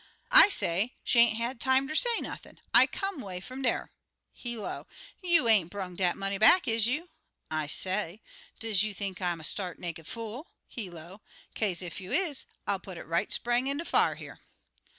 I say, 'She ain't had time ter say nothin' I come 'way fum dar.' He low, 'You ain't brung dat money back, is you?' I say: 'Does you think I'm a start naked fool?' He low: 'Kaze ef you is, I'll put it right spang in de fire here.'